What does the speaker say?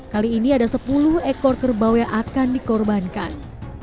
kali ini ada sepuluh ekor kerbau yang akan dikorbankan